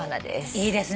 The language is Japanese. いいですね。